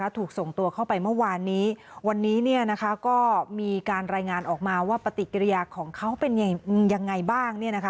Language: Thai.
ถูกส่งตัวเข้าไปเมื่อวานนี้วันนี้ก็มีการรายงานออกมาว่าปฏิกิริยาของเขาเป็นยังไงบ้าง